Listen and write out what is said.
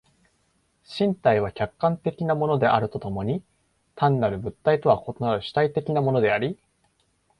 身体は客観的なものであると共に単なる物体とは異なる主体的なものであり、